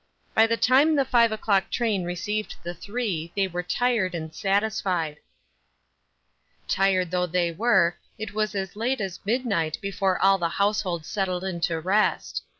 By the 321 322 Ruth JErskine's Orosset. time the five o'clock train received the three, they were tired and satisfied. Tired though they were, it was as late as mid night before all the household settled into rest.